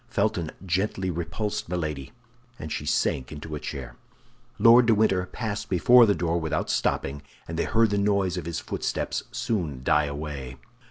Felton gently repulsed Milady, and she sank into a chair. Lord de Winter passed before the door without stopping, and they heard the noise of his footsteps soon die away.